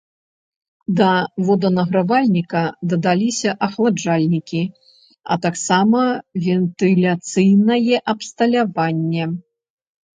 Да воданагравальніка дадаліся ахаладжальнікі, а таксама вентыляцыйнае абсталяванне.